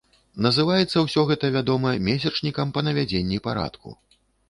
Называецца ўсё гэта, вядома, месячнікам па навядзенні парадку.